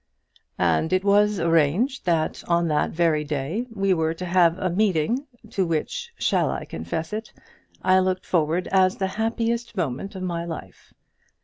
And it was arranged that on that very day we were to have had a meeting, to which shall I confess it? I looked forward as the happiest moment of my life.